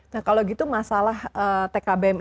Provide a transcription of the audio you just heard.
nah kalau gitu masalah tkbm ini